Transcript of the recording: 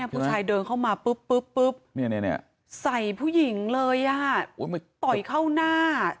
ผู้ชายเดินเข้ามาปุ๊บใส่ผู้หญิงเลยต่อยเข้าหน้า